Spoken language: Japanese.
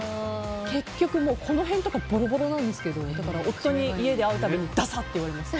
結局この辺とかボロボロなんですけど夫に家で会うたびにださって言われます。